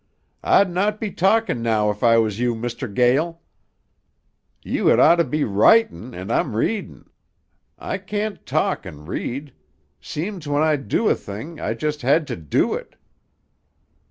"I'd not be talkin' now if I was you, Mr. Gael. You had ought to be writin' an' I'm readin'. I can't talk an' read; seems when I do a thing I just hed to do it!"